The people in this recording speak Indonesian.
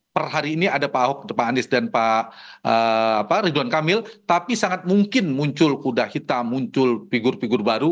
per hari ini ada pak ahok pak anies dan pak ridwan kamil tapi sangat mungkin muncul kuda hitam muncul figur figur baru